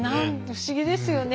不思議ですよね